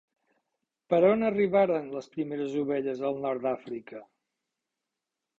Per on arribaren les primeres ovelles al nord d'Àfrica?